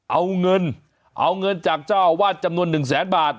เอาเงินเอาเงินจากเจ้าอาวาสจำนวนหนึ่งแสนบาท